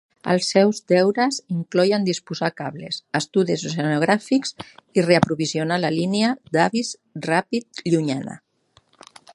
Els seus deures incloïen disposar cables, estudis oceanogràfics i reaprovisionar la línia d'avis ràpid llunyana.